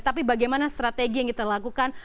tapi bagaimana strategi yang kita lakukan